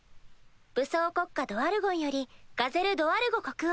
武装国家ドワルゴンよりガゼル・ドワルゴ国王。